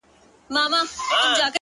• گراني شاعري دغه واوره ته ـ